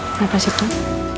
kenapa sih pak